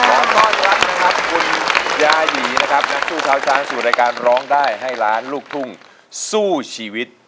ขอต้อนรับนะครับคุณยายีนะครับนักสู้เท้าช้างสู่รายการร้องได้ให้ล้านลูกทุ่งสู้ชีวิต